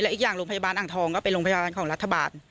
อีกอย่างโรงพยาบาลอ่างทองก็เป็นโรงพยาบาลของรัฐบาล